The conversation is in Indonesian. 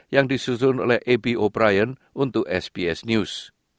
yang disusun oleh ebi o brien untuk sbs news